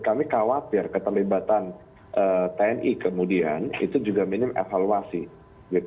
kami khawatir keterlibatan tni kemudian itu juga minim evaluasi